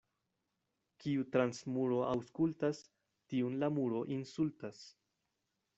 Kiu trans muro aŭskultas, tiun la muro insultas.